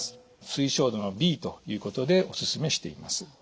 推奨度Ｂということでお勧めしています。